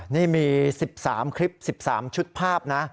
นี่มี๑๓คลิป๑๓ชุดภาพนะ